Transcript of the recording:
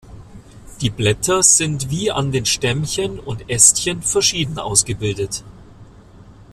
Die Blätter sind wie an den Stämmchen und Ästchen verschieden ausgebildet.